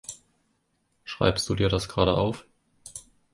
Schreibst du dir das gerade auf?